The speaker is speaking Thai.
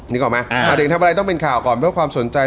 นึกออกไหมมาถึงทำอะไรต้องเป็นข่าวก่อนเพื่อความสนใจ